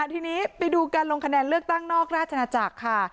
ทีนี้ไปดูการลงคะแนนเลือกตั้งนอกราชนาจักรค่ะ